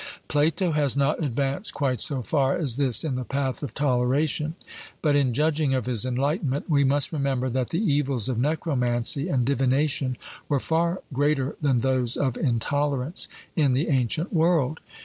Plato has not advanced quite so far as this in the path of toleration. But in judging of his enlightenment, we must remember that the evils of necromancy and divination were far greater than those of intolerance in the ancient world.